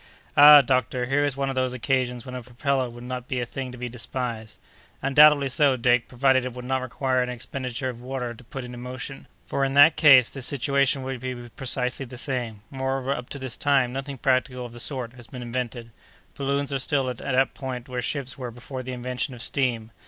"Ah! doctor, here is one of those occasions when a propeller would not be a thing to be despised." "Undoubtedly so, Dick, provided it would not require an expenditure of water to put it in motion, for, in that case, the situation would be precisely the same; moreover, up to this time, nothing practical of the sort has been invented. Balloons are still at that point where ships were before the invention of steam.